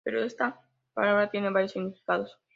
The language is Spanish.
Pero esta palabra tiene varios significaciones.